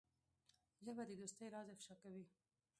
ژبه د دوستۍ راز افشا کوي